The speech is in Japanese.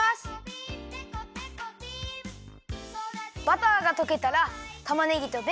バターがとけたらたまねぎとベーコンをいれて。